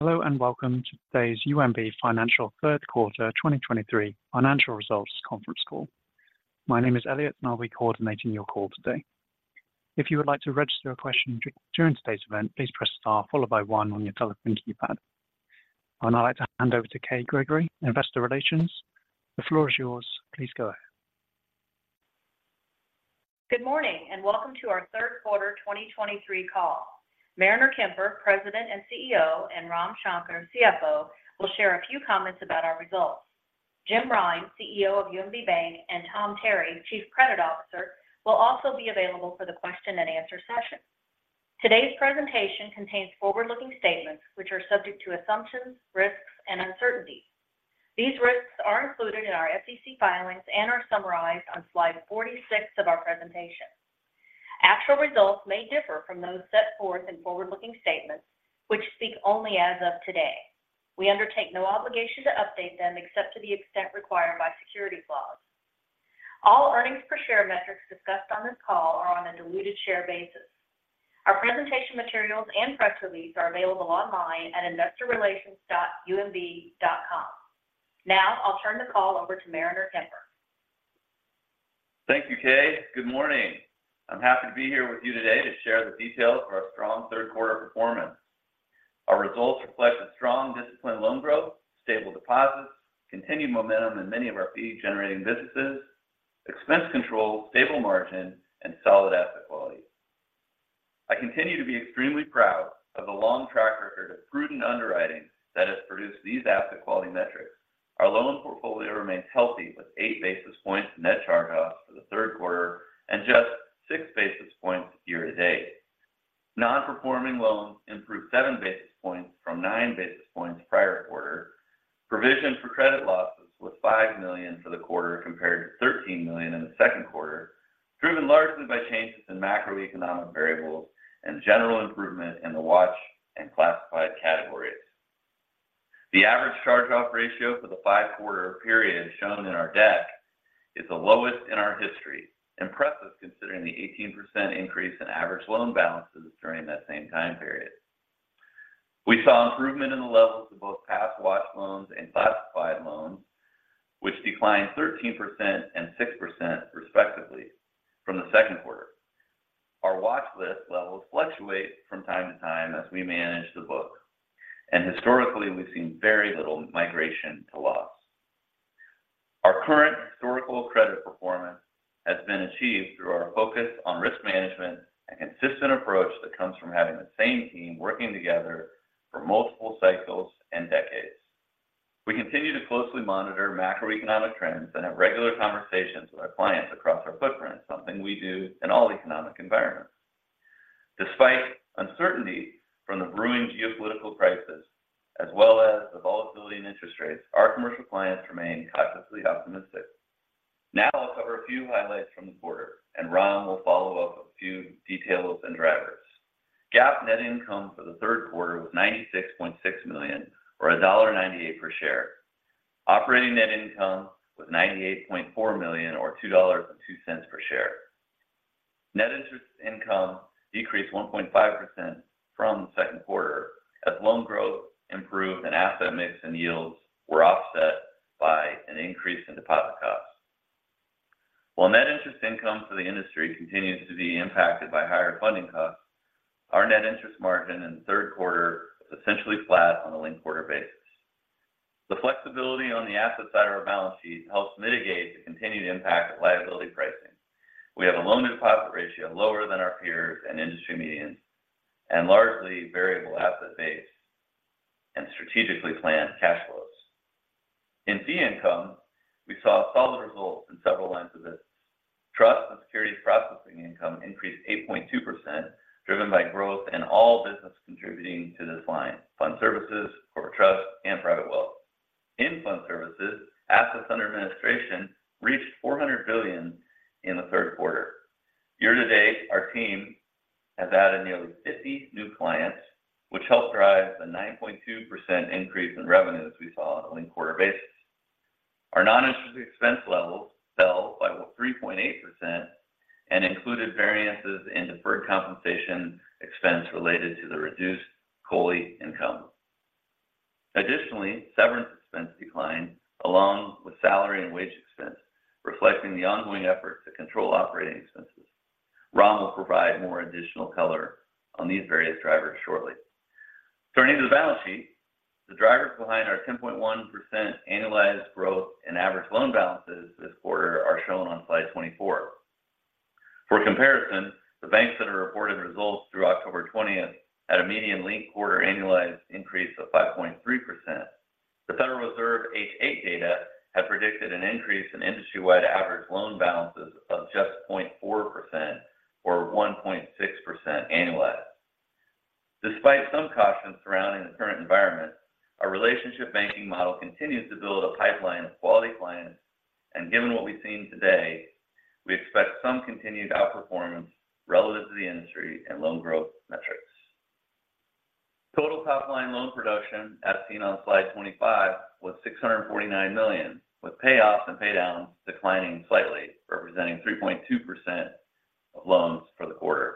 Hello, and welcome to today's UMB Financial third quarter 2023 financial results conference call. My name is Elliot, and I'll be coordinating your call today. If you would like to register a question during today's event, please press star followed by one on your telephone keypad. I'd now like to hand over to Kay Gregory, Investor Relations. The floor is yours. Please go ahead. Good morning, and welcome to our third quarter 2023 call. Mariner Kemper, President and CEO, and Ram Shankar, CFO, will share a few comments about our results. Jim Rine, CEO of UMB Bank, and Tom Terry, Chief Credit Officer, will also be available for the question and answer session. Today's presentation contains forward-looking statements which are subject to assumptions, risks, and uncertainties. These risks are included in our SEC filings and are summarized on slide 46 of our presentation. Actual results may differ from those set forth in forward-looking statements, which speak only as of today. We undertake no obligation to update them except to the extent required by securities laws. All earnings per share metrics discussed on this call are on a diluted share basis. Our presentation materials and press release are available online at investorrelations.umb.com. Now, I'll turn the call over to Mariner Kemper. Thank you, Kay. Good morning. I'm happy to be here with you today to share the details of our strong third quarter performance. Our results reflect a strong, disciplined loan growth, stable deposits, continued momentum in many of our fee-generating businesses, expense control, stable margin, and solid asset quality. I continue to be extremely proud of the long track record of prudent underwriting that has produced these asset quality metrics. Our loan portfolio remains healthy, with 8 basis points net charge-offs for the third quarter and just 6 basis points year to date. Non-performing loans improved 7 basis points from 9 basis points the prior quarter. Provision for credit losses was $5 million for the quarter, compared to $13 million in the second quarter, driven largely by changes in macroeconomic variables and general improvement in the watch and classified categories. The average charge-off ratio for the five-quarter period shown in our deck is the lowest in our history, impressive considering the 18% increase in average loan balances during that same time period. We saw improvement in the levels of both past watch loans and classified loans, which declined 13% and 6%, respectively, from the second quarter. Our watch list levels fluctuate from time to time as we manage the book, and historically, we've seen very little migration to loss. Our current historical credit performance has been achieved through our focus on risk management and consistent approach that comes from having the same team working together for multiple cycles and decades. We continue to closely monitor macroeconomic trends and have regular conversations with our clients across our footprint, something we do in all economic environments. Despite uncertainty from the brewing geopolitical crisis, as well as the volatility in interest rates, our commercial clients remain cautiously optimistic. Now, I'll cover a few highlights from the quarter, and Ram will follow up with a few details and drivers. GAAP net income for the third quarter was $96.6 million, or $1.98 per share. Operating net income was $98.4 million, or $2.02 per share. Net interest income decreased 1.5% from the second quarter as loan growth improved and asset mix and yields were offset by an increase in deposit costs. While net interest income for the industry continues to be impacted by higher funding costs, our net interest margin in the third quarter was essentially flat on a linked quarter basis. The flexibility on the asset side of our balance sheet helps mitigate the continued impact of liability pricing. We have a loan deposit ratio lower than our peers and industry medians, and largely variable asset base and strategically planned cash flows. In fee income, we saw solid results in several lines of business. Trust and securities processing income increased 8.2%, driven by growth in all businesses contributing to this line: fund services, corporate trust, and private wealth. In fund services, assets under administration reached $400 billion in the third quarter. Year to date, our team has added nearly 50 new clients, which helped drive the 9.2% increase in revenues we saw on a linked quarter basis. Our non-interest expense levels fell by 3.8% and included variances in deferred compensation expense related to the reduced COLI income. Additionally, severance expense declined, along with salary and wage expense, reflecting the ongoing effort to control operating expenses. Ram will provide more additional color on these various drivers shortly. Turning to the balance sheet, the drivers behind our 10.1% annualized growth in average loan balances this quarter are shown on slide 24. For comparison, the banks that are reporting results through October 20th had a median linked-quarter annualized increase of 5.3%. The Federal Reserve H8 data had predicted an increase in industry-wide average loan balances of just 0.4% or 1.6% annualized. Despite some caution surrounding the current environment, our relationship banking model continues to build a pipeline of quality clients, and given what we've seen today, we expect some continued outperformance relative to the industry and loan growth metrics. Total top line loan production, as seen on slide 25, was $649 million, with payoffs and paydowns declining slightly, representing 3.2% of loans for the quarter.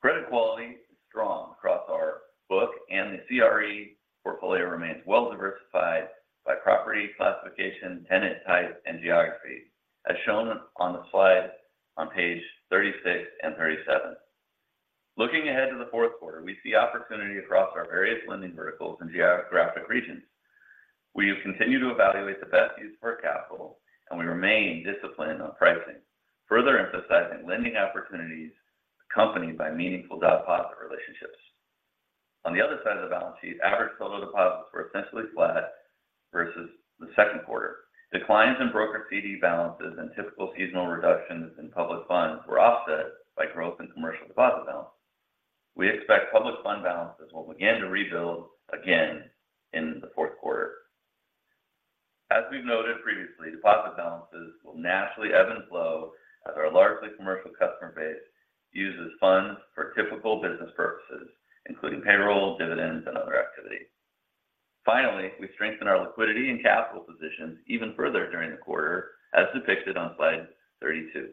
Credit quality is strong across our book, and the CRE portfolio remains well-diversified by property classification, tenant type, and geography, as shown on the slide on pages 36 and 37. Looking ahead to the fourth quarter, we see opportunity across our various lending verticals and geographic regions. We have continued to evaluate the best use for our capital, and we remain disciplined on pricing, further emphasizing lending opportunities accompanied by meaningful deposit relationships. On the other side of the balance sheet, average total deposits were essentially flat versus the second quarter. Declines in broker CD balances and typical seasonal reductions in public funds were offset by growth in commercial deposit balance. We expect public fund balances will begin to rebuild again in the fourth quarter. As we've noted previously, deposit balances will naturally ebb and flow as our largely commercial customer base uses funds for typical business purposes, including payroll, dividends, and other activities. Finally, we strengthened our liquidity and capital positions even further during the quarter, as depicted on slide 32.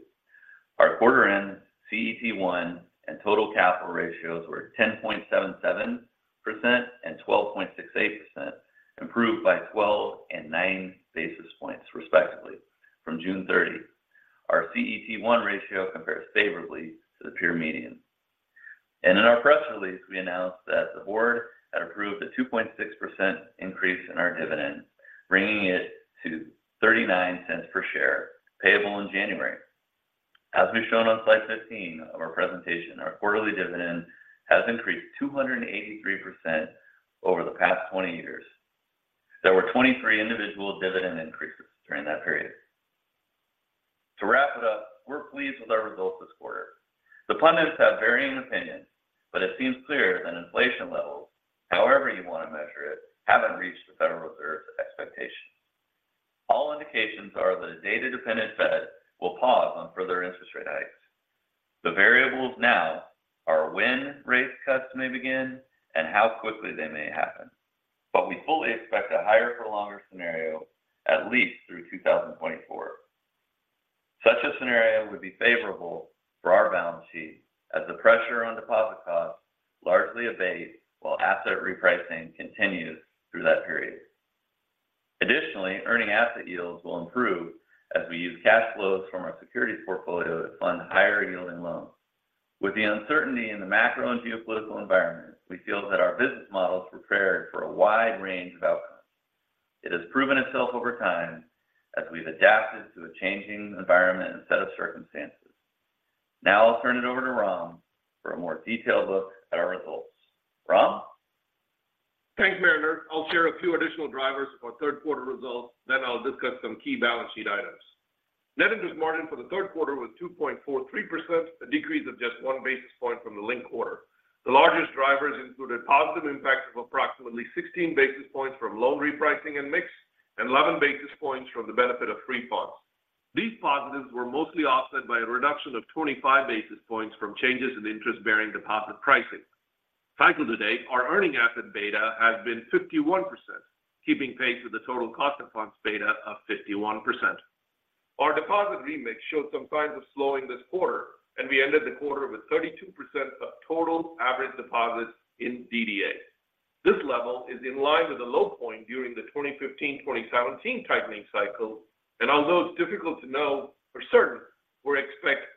Our quarter-end CET1 and total capital ratios were 10.77% and 12.68%, improved by 12 and 9 basis points, respectively, from June 30. Our CET1 ratio compares favorably to the peer median. In our press release, we announced that the board had approved a 2.6% increase in our dividend, bringing it to $0.39 per share, payable in January. As we've shown on slide 15 of our presentation, our quarterly dividend has increased 283% over the past 20 years. There were 23 individual dividend increases during that period. To wrap it up, we're pleased with our results this quarter. The pundits have varying opinions, but it seems clear that inflation levels, however you want to measure it, haven't reached the Federal Reserve's expectations. All indications are the data-dependent Fed will pause on further interest rate hikes. The variables now are when rate cuts may begin and how quickly they may happen, but we fully expect a higher for longer scenario at least through 2024. Such a scenario would be favorable for our balance sheet as the pressure on deposit costs largely abates while asset repricing continues through that period. Additionally, earning asset yields will improve as we use cash flows from our securities portfolio to fund higher-yielding loans. With the uncertainty in the macro and geopolitical environment, we feel that our business model is prepared for a wide range of outcomes. It has proven itself over time as we've adapted to a changing environment and set of circumstances. Now I'll turn it over to Ram for a more detailed look at our results. Ram? Thanks, Mariner. I'll share a few additional drivers for our third quarter results, then I'll discuss some key balance sheet items. Net interest margin for the third quarter was 2.43%, a decrease of just 1 basis point from the linked quarter. The largest drivers included positive impacts of approximately 16 basis points from loan repricing and mix, and 11 basis points from the benefit of free funds. These positives were mostly offset by a reduction of 25 basis points from changes in interest-bearing deposit pricing. Cycle to date, our earning asset beta has been 51%, keeping pace with the total cost of funds beta of 51%. Our deposit remix showed some signs of slowing this quarter, and we ended the quarter with 32% of total average deposits in DDA. This level is in line with the low point during the 2015, 2017 tightening cycle, and although it's difficult to know for certain, we expect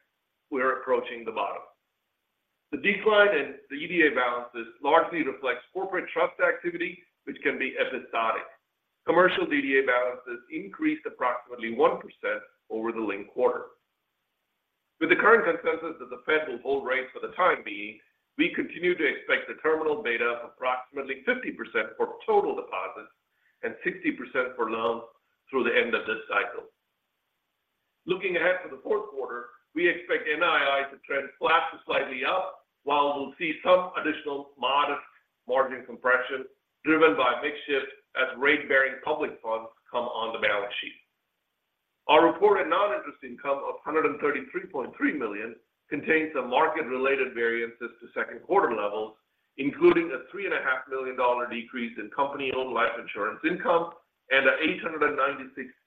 we're approaching the bottom. The decline in the DDA balances largely reflects corporate trust activity, which can be episodic. Commercial DDA balances increased approximately 1% over the linked quarter. With the current consensus that the Fed will hold rates for the time being, we continue to expect the terminal beta of approximately 50% for total deposits and 60% for loans through the end of this cycle. Looking ahead to the fourth quarter, we expect NII to trend flat to slightly up, while we'll see some additional modest margin compression driven by mix shift as rate-bearing public funds come on the balance sheet. Our reported non-interest income of $133.3 million contains some market-related variances to second quarter levels, including a $3.5 million decrease in company-owned life insurance income and a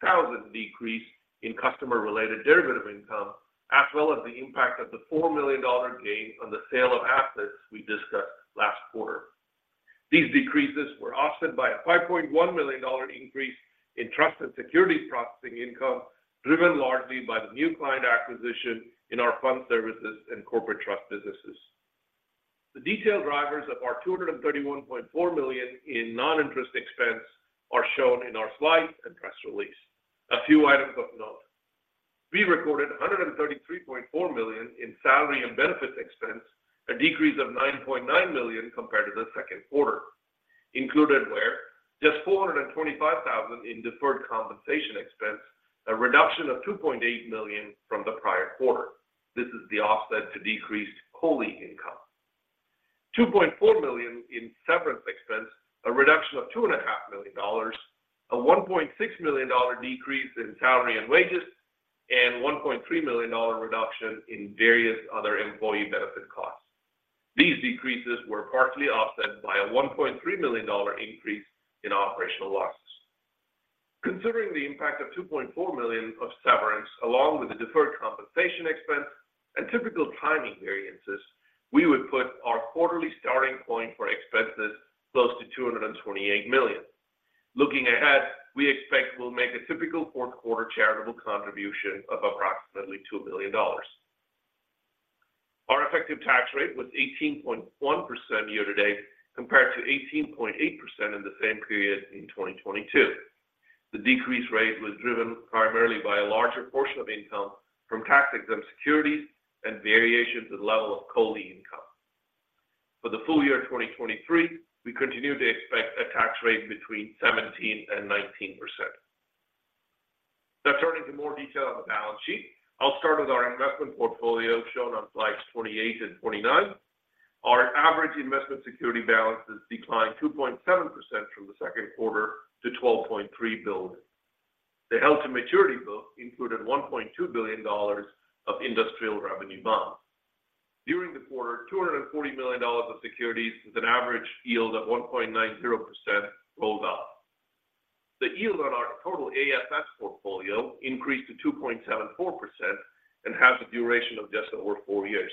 $896,000 decrease in customer-related derivative income, as well as the impact of the $4 million gain on the sale of assets we discussed last quarter. These decreases were offset by a $5.1 million increase in trust and securities processing income, driven largely by the new client acquisition in our fund services and corporate trust businesses. The detailed drivers of our $231.4 million in non-interest expense are shown in our slides and press release. A few items of note. We recorded $133.4 million in salary and benefits expense, a decrease of $9.9 million compared to the second quarter. Included were just $425,000 in deferred compensation expense, a reduction of $2.8 million from the prior quarter. This is the offset to decreased COLI income. $2.4 million in severance expense, a reduction of $2.5 million, a $1.6 million decrease in salary and wages, and $1.3 million reduction in various other employee benefit costs. These decreases were partially offset by a $1.3 million increase in operational losses.... considering the impact of $2.4 million of severance, along with the deferred compensation expense and typical timing variances, we would put our quarterly starting point for expenses close to $228 million. Looking ahead, we expect we'll make a typical fourth quarter charitable contribution of approximately $2 million. Our effective tax rate was 18.1% year to date, compared to 18.8% in the same period in 2022. The decrease rate was driven primarily by a larger portion of income from tax-exempt securities and variations in level of COLI income. For the full year of 2023, we continue to expect a tax rate between 17% and 19%. Now turning to more detail on the balance sheet. I'll start with our investment portfolio, shown on slides 28 and 29. Our average investment security balances declined 2.7% from the second quarter to $12.3 billion. The held-to-maturity book included $1.2 billion of industrial revenue bonds. During the quarter, $240 million of securities with an average yield of 1.90% rolled off. The yield on our total AFS portfolio increased to 2.74% and has a duration of just over 4 years.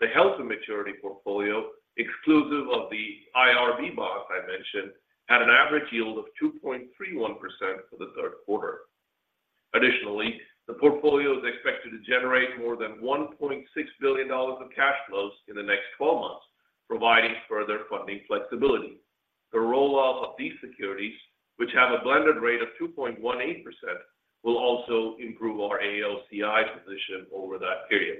The held-to-maturity portfolio, exclusive of the IRB bonds I mentioned, had an average yield of 2.31% for the third quarter. Additionally, the portfolio is expected to generate more than $1.6 billion of cash flows in the next 12 months, providing further funding flexibility. The roll off of these securities, which have a blended rate of 2.18%, will also improve our AOCI position over that period.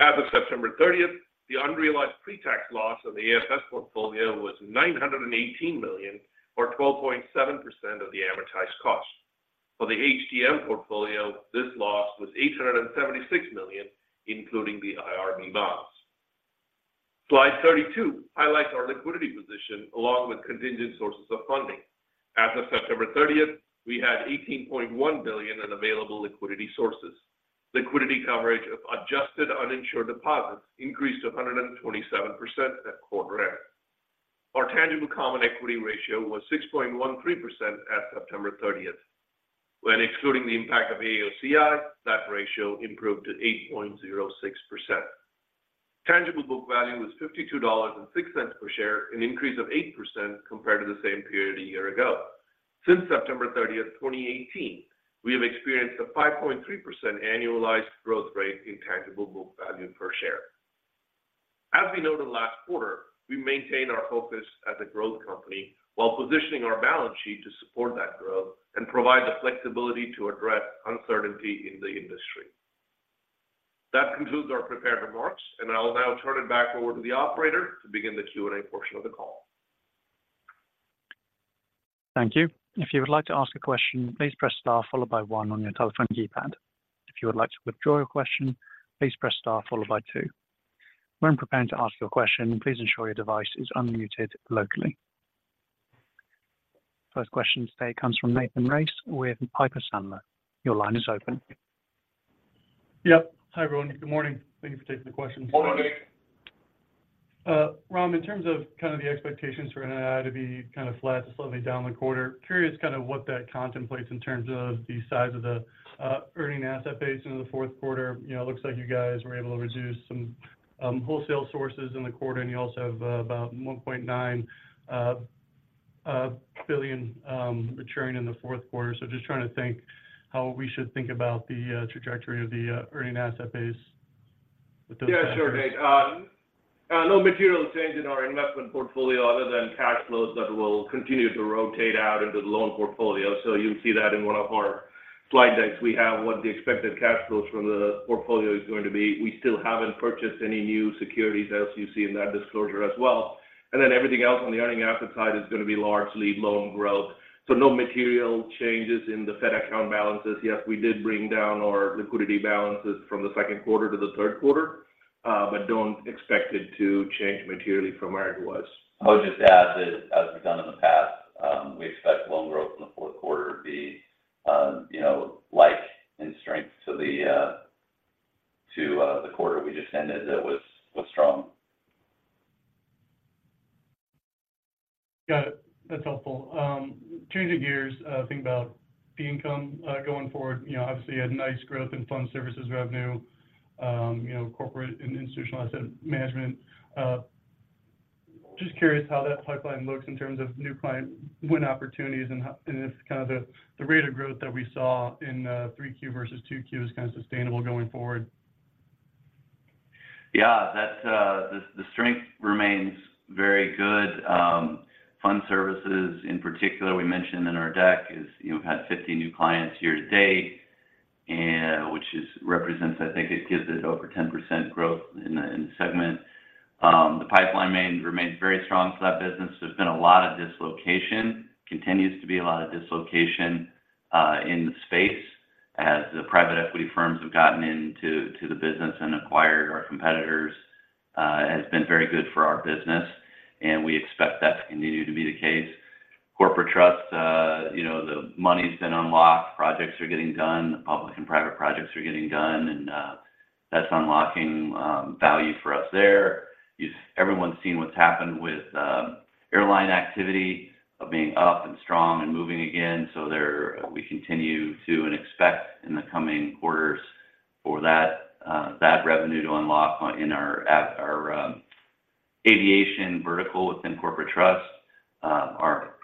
As of September 30th, the unrealized pretax loss on the AFS portfolio was $918 million, or 12.7% of the amortized cost. For the HTM portfolio, this loss was $876 million, including the IRB bonds. Slide 32 highlights our liquidity position, along with contingent sources of funding. As of September 30th, we had $18.1 billion in available liquidity sources. Liquidity coverage of adjusted uninsured deposits increased to 127% at quarter end. Our tangible common equity ratio was 6.13% at September 30th. When excluding the impact of AOCI, that ratio improved to 8.06%. Tangible book value was $52.06 per share, an increase of 8% compared to the same period a year ago. Since September 30th, 2018, we have experienced a 5.3% annualized growth rate in tangible book value per share. As we noted last quarter, we maintain our focus as a growth company while positioning our balance sheet to support that growth and provide the flexibility to address uncertainty in the industry. That concludes our prepared remarks, and I will now turn it back over to the operator to begin the Q&A portion of the call. Thank you. If you would like to ask a question, please press star followed by one on your telephone keypad. If you would like to withdraw your question, please press star followed by two. When preparing to ask your question, please ensure your device is unmuted locally. First question today comes from Nathan Race with Piper Sandler. Your line is open. Yep. Hi, everyone. Good morning. Thank you for taking the question. Ram, in terms of kind of the expectations for NII to be kind of flat to slightly down the quarter, curious kind of what that contemplates in terms of the size of the earning asset base into the fourth quarter. You know, it looks like you guys were able to reduce some wholesale sources in the quarter, and you also have about $1.9 billion maturing in the fourth quarter. So just trying to think how we should think about the trajectory of the earning asset base with those- Yeah, sure, Nate. No material change in our investment portfolio other than cash flows that will continue to rotate out into the loan portfolio. So you'll see that in one of our slide decks. We have what the expected cash flows from the portfolio is going to be. We still haven't purchased any new securities, as you see in that disclosure as well. And then everything else on the earning asset side is going to be largely loan growth. So no material changes in the Fed account balances. Yes, we did bring down our liquidity balances from the second quarter to the third quarter, but don't expect it to change materially from where it was. I would just add that, as we've done in the past, we expect loan growth in the fourth quarter to be, you know, like in strength to the quarter we just ended. It was strong. Got it. That's helpful. Changing gears, think about the income going forward. You know, obviously you had nice growth in fund services revenue, you know, corporate and institutional asset management. Just curious how that pipeline looks in terms of new client win opportunities and how and if kind of the, the rate of growth that we saw in 3Q versus 2Q is kind of sustainable going forward? Yeah, that's the strength remains very good. Fund services in particular, we mentioned in our deck is, you know, we've had 50 new clients year to date, and which is represents, I think it gives it over 10% growth in the segment. The pipeline remains very strong for that business. There's been a lot of dislocation, continues to be a lot of dislocation in the space as the private equity firms have gotten into the business and acquired our competitors. It has been very good for our business, and we expect that to continue to be the case. Corporate trust, you know, the money's been unlocked, projects are getting done, public and private projects are getting done, and that's unlocking value for us there. Everyone's seen what's happened with airline activity being up and strong and moving again. So there, we continue to and expect in the coming quarters for that revenue to unlock in our aviation vertical within corporate trust. Our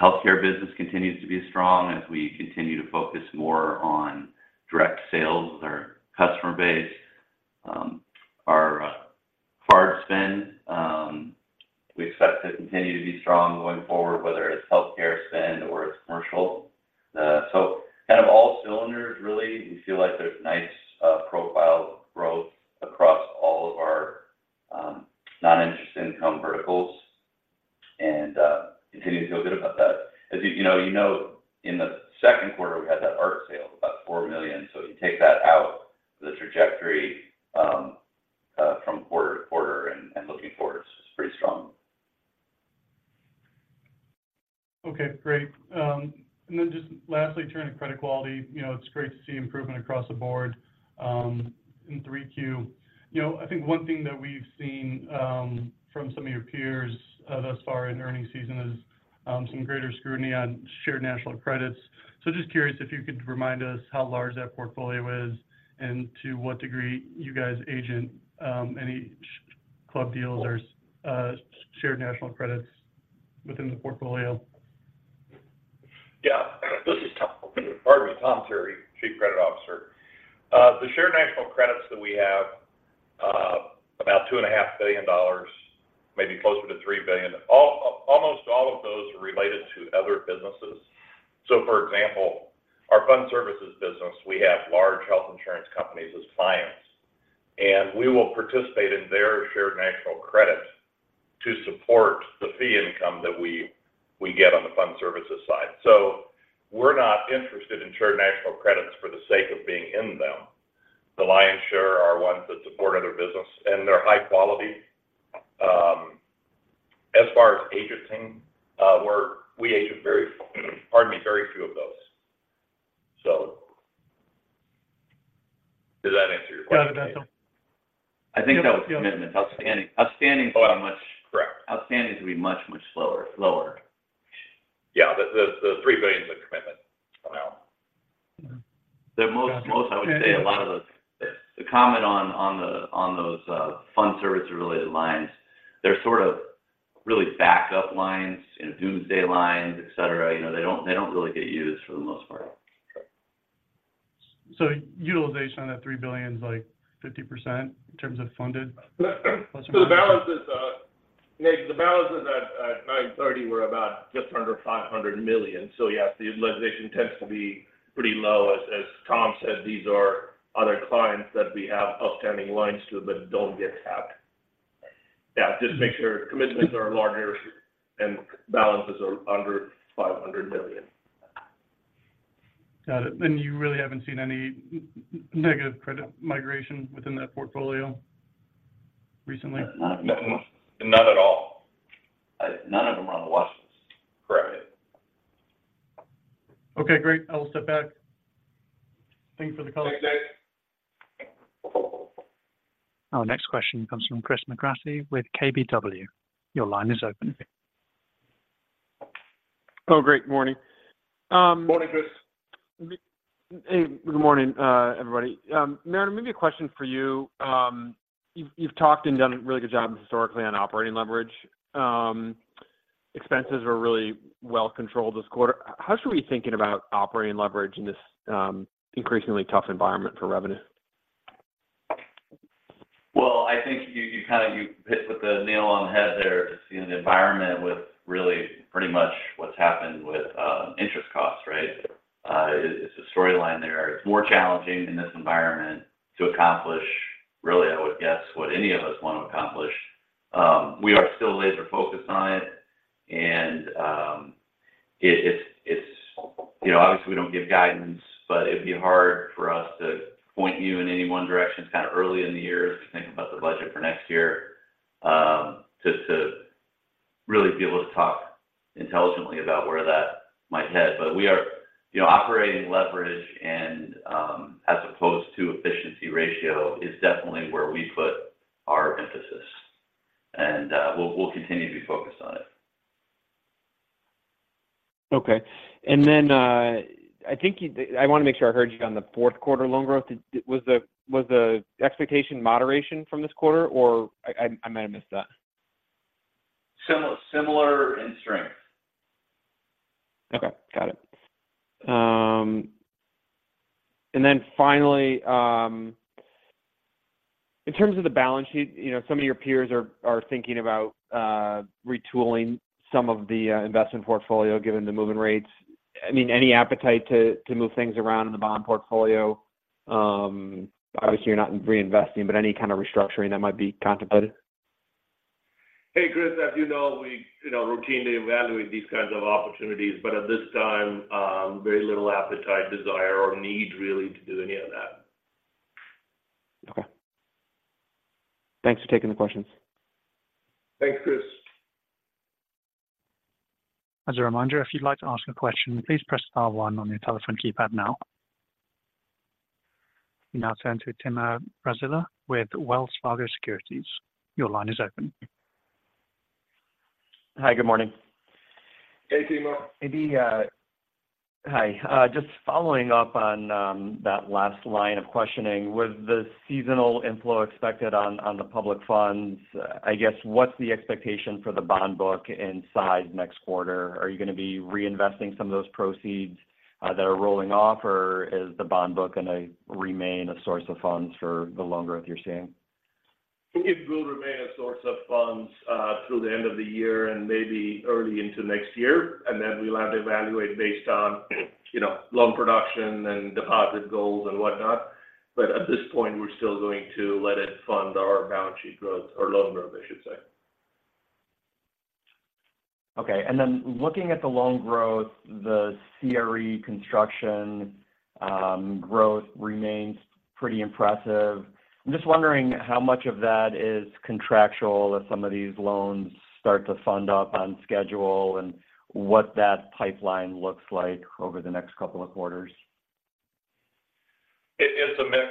healthcare business continues to be strong as we continue to focus more on direct sales with our customer base. Our card spend, we expect to continue to be strong going forward, whether it's healthcare spend or it's commercial. So kind of all cylinders, really. We feel like there's nice profile growth across all of our non-interest income verticals, and continuing to feel good about that. As you know, you know, in the second quarter, we had that art sale of about $4 million. So if you take that out, the trajectory from quarter to quarter and looking forward is pretty strong. Okay, great. And then just lastly, turning to credit quality, you know, it's great to see improvement across the board in 3Q. You know, I think one thing that we've seen from some of your peers thus far in earnings season is some greater scrutiny on Shared National Credits. So just curious if you could remind us how large that portfolio is and to what degree you guys agent any club deals or Shared National Credits within the portfolio? Yeah. This is Tom, pardon me, Tom Terry, Chief Credit Officer. The Shared National Credits that we have, about $2.5 billion, maybe closer to $3 billion. Almost all of those are related to other businesses. So for example, our fund services business, we have large health insurance companies as clients, and we will participate in their Shared National Credit to support the fee income that we get on the fund services side. So we're not interested in Shared National Credits for the sake of being in them. The lion's share are ones that support other business, and they're high quality. As far as agenting, we're—we agent very, pardon me, very few of those. So did that answer your question? Yeah, that does. I think that was commitment, outstanding. Outstanding is much- Correct. Outstanding is going to be much, much slower, lower. Yeah, the $3 billion is a commitment amount. The most I would say a lot of those - the comment on those fund service related lines, they're sort of really backed up lines, you know, doomsday lines, et cetera. You know, they don't really get used for the most part. Correct. So utilization on that $3 billion is like 50% in terms of funded? So the balances, Nate, the balances at 9/30 were about just under $500 million. So yes, the utilization tends to be pretty low. As Tom said, these are other clients that we have outstanding lines to, but don't get tapped. Yeah, just make sure commitments are larger and balances are under $500 million. Got it. And you really haven't seen any negative credit migration within that portfolio recently? Not at all. None of them are on the watch list. Correct. Okay, great. I'll step back. Thank you for the call. Thanks, Nate. Our next question comes from Chris McGratty with KBW. Your line is open. Oh, great. Morning, Morning, Chris. Hey, good morning, everybody. Mariner, maybe a question for you. You've talked and done a really good job historically on operating leverage. Expenses were really well controlled this quarter. How should we be thinking about operating leverage in this increasingly tough environment for revenue? Well, I think you kind of hit the nail on the head there to see an environment with really pretty much what's happened with interest costs, right? It's a storyline there. It's more challenging in this environment to accomplish, really, I would guess, what any of us want to accomplish. We are still laser focused on it, and it's you know, obviously, we don't give guidance, but it'd be hard for us to point you in any one direction. It's kind of early in the year to think about the budget for next year to really be able to talk intelligently about where that might head. But we are, you know, operating leverage and as opposed to efficiency ratio is definitely where we put our emphasis, and we'll continue to be focused on it. Okay. And then, I think you, I want to make sure I heard you on the fourth quarter loan growth. Was the expectation moderation from this quarter, or I might have missed that? Similar, similar in strength. Okay, got it. Then finally, in terms of the balance sheet, you know, some of your peers are thinking about retooling some of the investment portfolio, given the moving rates. I mean, any appetite to move things around in the bond portfolio? Obviously, you're not reinvesting, but any kind of restructuring that might be contemplated? Hey, Chris, as you know, we, you know, routinely evaluate these kinds of opportunities, but at this time, very little appetite, desire, or need really to do any of that. Okay. Thanks for taking the questions. Thanks, Chris. ... As a reminder, if you'd like to ask a question, please press star one on your telephone keypad now. We now turn to Timur Braziler with Wells Fargo Securities. Your line is open. Hi, good morning. Hey, Timur. Maybe, hi, just following up on, that last line of questioning, with the seasonal inflow expected on, on the public funds, I guess, what's the expectation for the bond book in size next quarter? Are you gonna be reinvesting some of those proceeds, that are rolling off, or is the bond book gonna remain a source of funds for the loan growth you're seeing? It will remain a source of funds through the end of the year and maybe early into next year, and then we'll have to evaluate based on, you know, loan production and deposit goals and whatnot. But at this point, we're still going to let it fund our balance sheet growth, or loan growth, I should say. Okay, and then looking at the loan growth, the CRE construction growth remains pretty impressive. I'm just wondering how much of that is contractual as some of these loans start to fund up on schedule, and what that pipeline looks like over the next couple of quarters. It is a mix.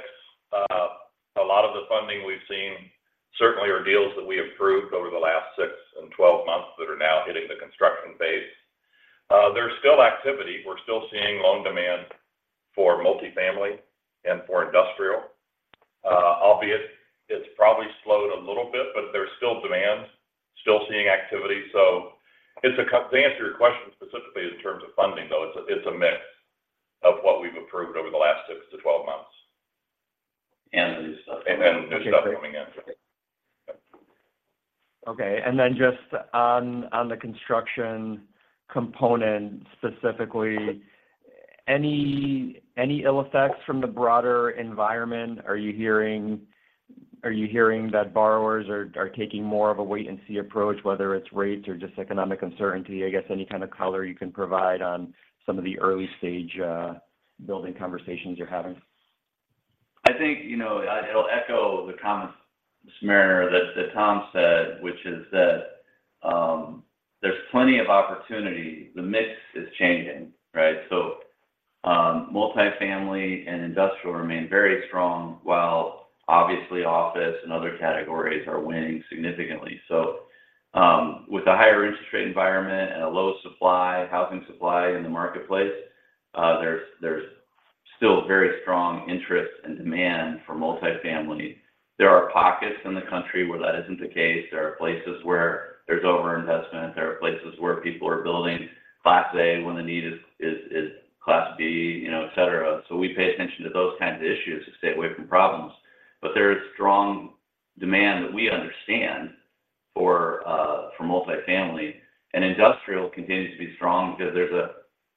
A lot of the funding we've seen certainly are deals that we approved over the last 6 and 12 months that are now hitting the construction phase. There's still activity. We're still seeing loan demand for multifamily and for industrial. Obviously, it's probably slowed a little bit, but there's still demand, still seeing activity. So to answer your question specifically in terms of funding, though, it's a, it's a mix of what we've approved over the last 6 to 12 months. New stuff coming in. Okay. And then just on the construction component, specifically, any ill effects from the broader environment? Are you hearing that borrowers are taking more of a wait-and-see approach, whether it's rates or just economic uncertainty? I guess any kind of color you can provide on some of the early stage building conversations you're having. I think, you know, it'll echo the comments, Timur, that, that Tom said, which is that, there's plenty of opportunity. The mix is changing, right? So, multifamily and industrial remain very strong, while obviously, office and other categories are waning significantly. So, with a higher interest rate environment and a low supply, housing supply in the marketplace, there's, there's still very strong interest and demand for multifamily. There are pockets in the country where that isn't the case. There are places where there's overinvestment. There are places where people are building Class A when the need is, is, is Class B, you know, et cetera. So we pay attention to those kinds of issues to stay away from problems. But there is strong demand that we understand for, for multifamily. Industrial continues to be strong because there's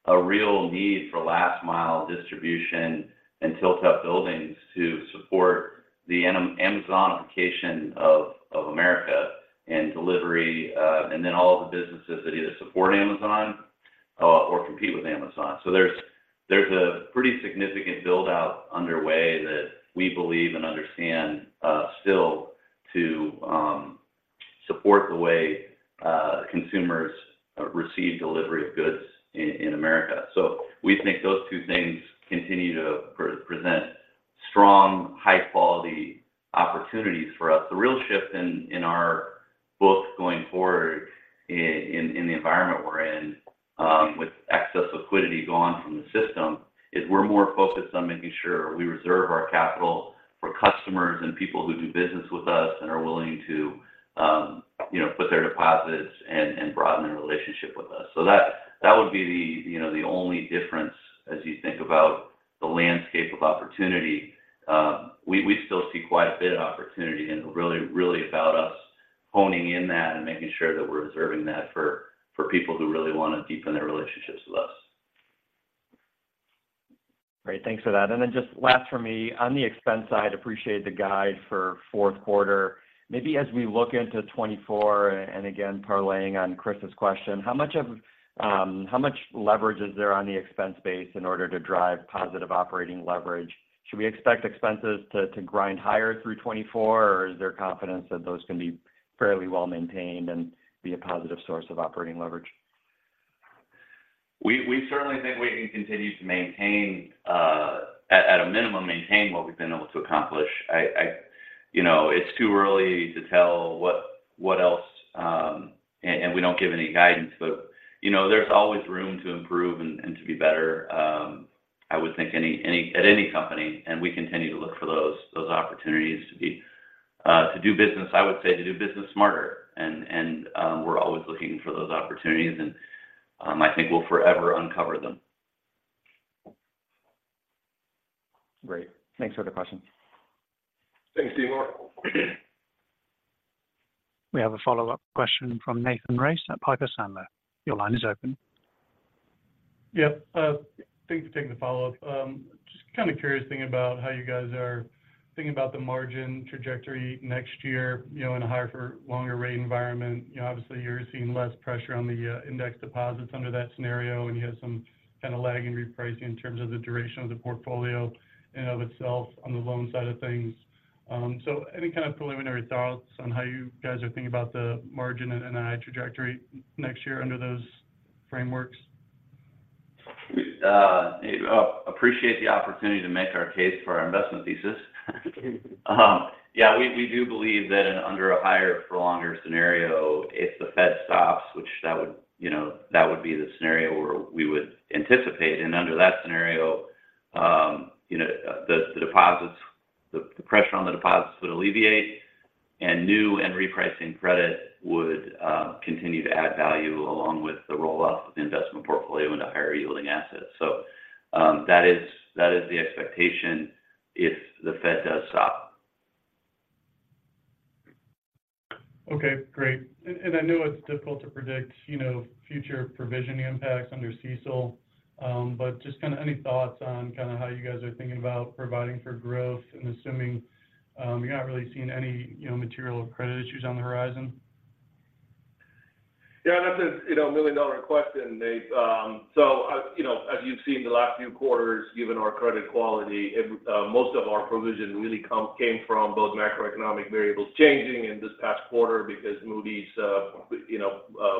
a real need for last mile distribution and tilt-up buildings to support the Amazonification of America and delivery, and then all of the businesses that either support Amazon or compete with Amazon. So there's a pretty significant build-out underway that we believe and understand still to support the way consumers receive delivery of goods in America. So we think those two things continue to represent strong, high-quality opportunities for us. The real shift in our books going forward in the environment we're in, with excess liquidity gone from the system, is we're more focused on making sure we reserve our capital for customers and people who do business with us and are willing to, you know, put their deposits and broaden their relationship with us. So that would be the, you know, the only difference as you think about the landscape of opportunity. We still see quite a bit of opportunity, and really about us honing in that and making sure that we're reserving that for people who really want to deepen their relationships with us. Great, thanks for that. And then just last for me, on the expense side, appreciate the guide for fourth quarter. Maybe as we look into 2024, and again, parlaying on Chris's question, how much of, how much leverage is there on the expense base in order to drive positive operating leverage? Should we expect expenses to grind higher through 2024, or is there confidence that those can be fairly well maintained and be a positive source of operating leverage? We certainly think we can continue to maintain, at a minimum, maintain what we've been able to accomplish. You know, it's too early to tell what else, and we don't give any guidance, but, you know, there's always room to improve and to be better. I would think at any company, and we continue to look for those opportunities to be to do business, I would say, to do business smarter. And we're always looking for those opportunities, and I think we'll forever uncover them. Great. Thanks for the question. Thanks, Timur. We have a follow-up question from Nathan Race at Piper Sandler. Your line is open. Yep. Thanks for taking the follow-up. Just kind of curious, thinking about how you guys are thinking about the margin trajectory next year, you know, in a higher for longer rate environment. You know, obviously, you're seeing less pressure on the index deposits under that scenario, and you have some kind of lag and repricing in terms of the duration of the portfolio in and of itself on the loan side of things. So any kind of preliminary thoughts on how you guys are thinking about the margin and NII trajectory next year under those frameworks? We appreciate the opportunity to make our case for our investment thesis. Yeah, we do believe that in under a higher for longer scenario, if the Fed stops, which would, you know, that would be the scenario where we would anticipate. And under that scenario, you know, the deposits - the pressure on the deposits would alleviate, and new and repricing credit would continue to add value along with the roll-up of the investment portfolio into higher yielding assets. So, that is the expectation if the Fed does stop. Okay, great. And I know it's difficult to predict, you know, future provision impacts under CECL, but just kind of any thoughts on kind of how you guys are thinking about providing for growth and assuming you're not really seeing any, you know, material credit issues on the horizon? Yeah, that's a, you know, million-dollar question, Nate. So as you know, as you've seen the last few quarters, given our credit quality, it most of our provision really came from both macroeconomic variables changing in this past quarter because Moody's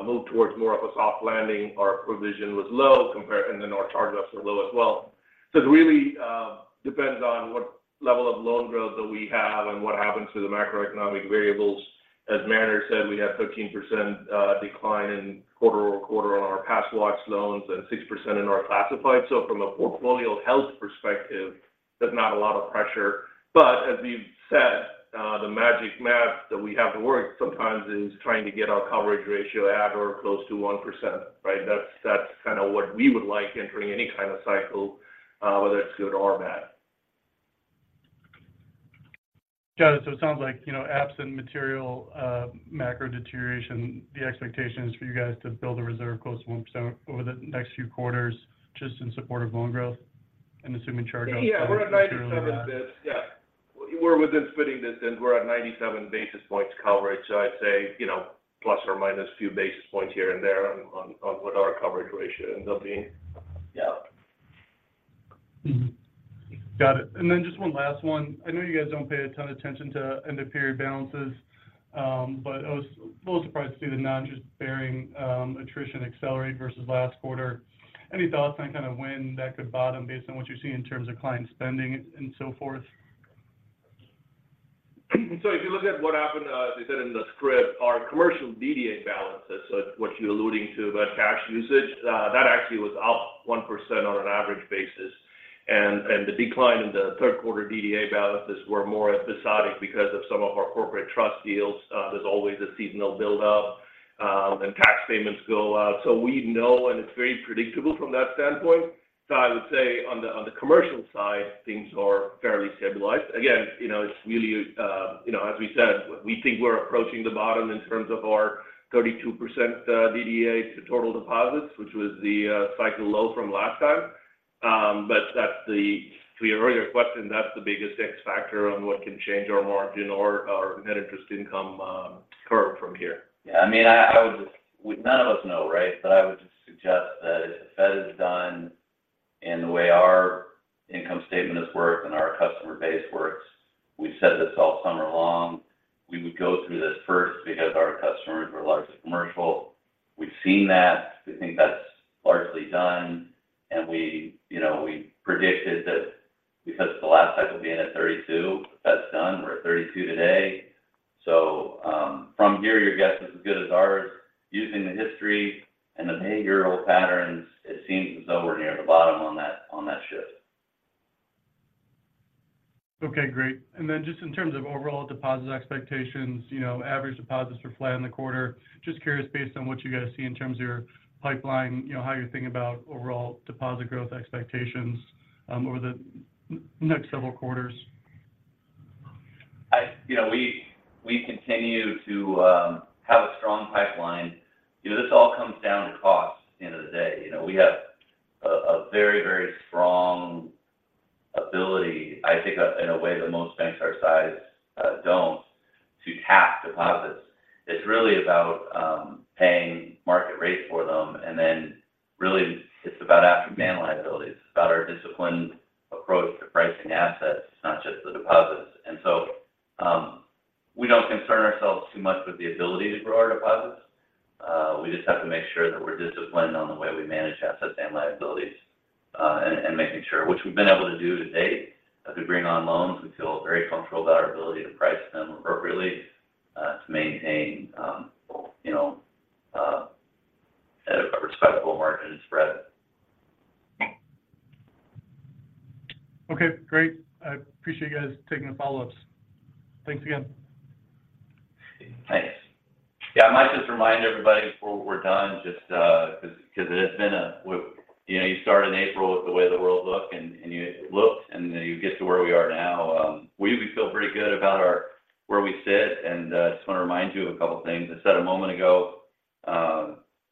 moved towards more of a soft landing. Our provision was low compared, and then our charge-offs are low as well. So it really depends on what level of loan growth that we have and what happens to the macroeconomic variables. As Mariner said, we have 13% decline quarter-over-quarter on our past due loans and 6% in our classified. So from a portfolio health perspective, there's not a lot of pressure. As we've said, the magic math that we have to work sometimes is trying to get our coverage ratio at or close to 1%, right? That's kind of what we would like entering any kind of cycle, whether it's good or bad. Got it. So it sounds like, you know, absent material macro deterioration, the expectation is for you guys to build a reserve close to 1% over the next few quarters, just in support of loan growth and assuming charge-off- Yeah, we're at 97, but yeah. We're within spitting distance. We're at 97 basis points coverage, so I'd say, you know, plus or minus a few basis points here and there on what our coverage ratio ends up being. Yeah. Mm-hmm. Got it. And then just one last one. I know you guys don't pay a ton of attention to end-of-period balances, but I was a little surprised to see the non-interest-bearing attrition accelerate versus last quarter. Any thoughts on kind of when that could bottom, based on what you're seeing in terms of client spending and so forth? So if you look at what happened, as we said in the script, our commercial DDA balances, so what you're alluding to about cash usage, that actually was up 1% on an average basis. And the decline in the third quarter DDA balances were more episodic because of some of our corporate trust deals. There's always a seasonal build-up, and tax payments go out. So we know, and it's very predictable from that standpoint. So I would say on the commercial side, things are fairly stabilized. Again, you know, it's really, you know, as we said, we think we're approaching the bottom in terms of our 32%, DDA to total deposits, which was the cycle low from last time. To your earlier question, that's the biggest X factor on what can change our margin or our net interest income curve from here. Yeah, I mean, I would just-- none of us know, right? But I would just suggest that if the Fed is done in the way our income statement is worked and our customer base works, we've said this all summer long, we would go through this first because our customers are largely commercial. We've seen that. We think that's largely done, and we, you know, we predicted that because the last cycle being at 32, that's done. We're at 32 today. So, from here, your guess is as good as ours. Using the history and the behavioral patterns, it seems as though we're near the bottom on that, on that shift. Okay, great. And then just in terms of overall deposits expectations, you know, average deposits are flat in the quarter. Just curious, based on what you guys see in terms of your pipeline, you know, how you're thinking about overall deposit growth expectations, over the next several quarters? You know, we continue to have a strong pipeline. You know, this all comes down to cost at the end of the day. You know, we have a very, very strong ability, I think, in a way that most banks our size don't, to tap deposits. It's really about paying market rate for them, and then really, it's about asset and liability. It's about our disciplined approach to pricing assets, not just the deposits. And so, we don't concern ourselves too much with the ability to grow our deposits. We just have to make sure that we're disciplined on the way we manage assets and liabilities and making sure, which we've been able to do to date, as we bring on loans, we feel very comfortable about our ability to price them appropriately to maintain, you know, at a respectable margin spread. Okay, great. I appreciate you guys taking the follow-ups. Thanks again. Thanks. Yeah, I might just remind everybody before we're done, just because it has been. You know, you start in April with the way the world looked, and then you get to where we are now. We feel pretty good about where we sit, and just want to remind you of a couple of things. I said a moment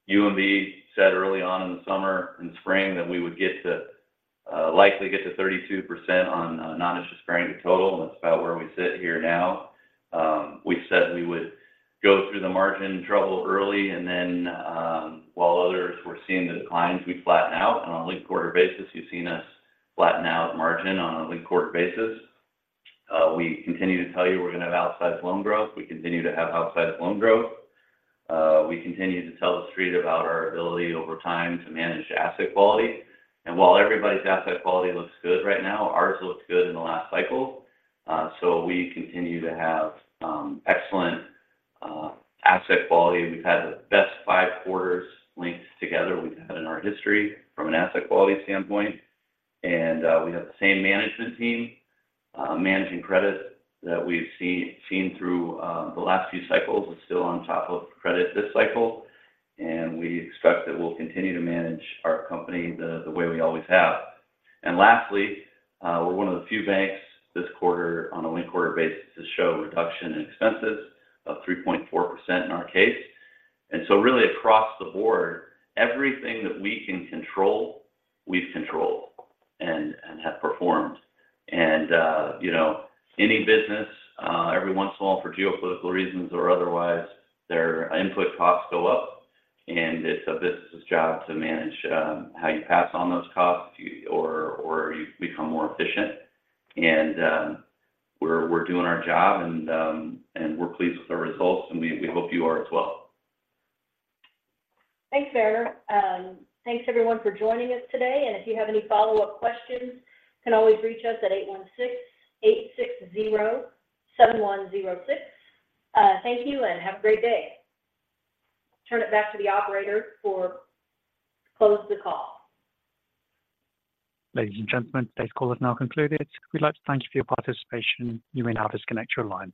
ago, UMB said early on in the summer and spring that we would likely get to 32% on non-interest-bearing to total, and that's about where we sit here now. We said we would go through the margin trouble early, and then, while others were seeing the declines, we'd flatten out, and on a linked-quarter basis, you've seen us flatten out margin on a linked-quarter basis. We continue to tell you we're going to have outsized loan growth. We continue to have outsized loan growth. We continue to tell the street about our ability over time to manage asset quality. While everybody's asset quality looks good right now, ours looked good in the last cycle. So we continue to have excellent asset quality. We've had the best five quarters linked together we've had in our history from an asset quality standpoint. We have the same management team managing credit that we've seen through the last few cycles and still on top of credit this cycle. We expect that we'll continue to manage our company the way we always have. Lastly, we're one of the few banks this quarter, on a linked quarter basis, to show a reduction in expenses of 3.4% in our case. So really across the board, everything that we can control, we've controlled and have performed. You know, any business, every once in a while, for geopolitical reasons or otherwise, their input costs go up, and it's a business's job to manage how you pass on those costs, or you become more efficient. We're doing our job, and we're pleased with the results, and we hope you are as well. Thanks, Mariner. Thanks everyone for joining us today, and if you have any follow-up questions, you can always reach us at 816-860-7106. Thank you and have a great day. Turn it back to the operator to close the call. Ladies and gentlemen, today's call is now concluded. We'd like to thank you for your participation. You may now disconnect your lines.